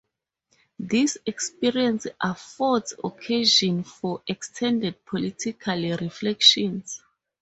This experience affords occasion for extended political reflections.